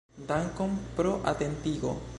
Dankon pro atentigo.